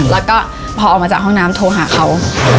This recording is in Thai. แล้วก็พอออกมาจากห้องน้ำโทรหาเขา